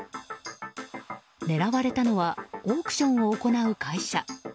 狙われたのはオークションを行う会社。